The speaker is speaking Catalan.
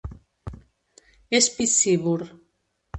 És piscívor.